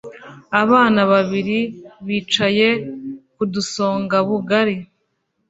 Abana babiri bicaye kudusongabugari.